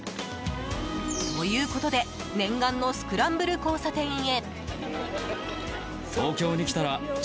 ということで念願のスクランブル交差点へ。